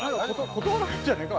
断られんじゃねえか？